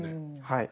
はい。